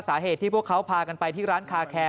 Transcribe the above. สาเหตุที่พวกเขาพากันไปที่ร้านคาแคร์